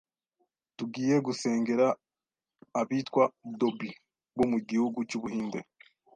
tugiye gusengera abitwa Dhobi bo mu gihugu cy’Ubuhinde.